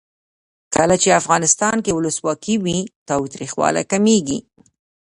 کله چې افغانستان کې ولسواکي وي تاوتریخوالی کمیږي.